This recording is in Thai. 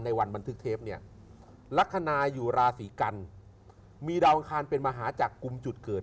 ในวันบันทึกเทปเนี่ยลักษณะอยู่ราศีกันมีดาวอังคารเป็นมหาจากกุมจุดเกิด